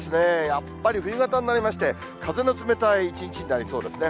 やっぱり冬型になりまして、風の冷たい一日になりそうですね。